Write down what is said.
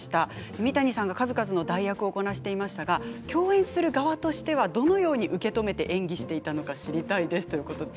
三谷さんが数々の代役をこなしていましたが共演する側としては、どのように受け止めて演技していたのか知りたいです、ということです。